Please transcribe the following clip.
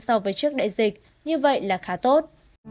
so với trước đại dịch như vậy là khá tốt